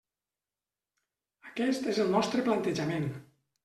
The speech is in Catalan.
Aquest és el nostre plantejament.